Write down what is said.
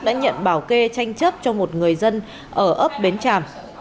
đã nhận bảo kê tranh chấp cho một người dân ở ấp bến tràm